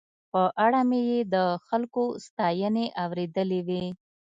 په اړه مې یې د خلکو ستاينې اورېدلې وې.